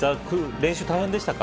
練習大変でしたか。